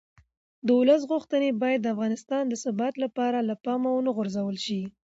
د ولس غوښتنې باید د افغانستان د ثبات لپاره له پامه ونه غورځول شي